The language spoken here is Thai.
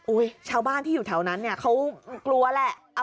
ชาวบ้านที่อยู่แถวนั้นเนี่ยเขากลัวแหละ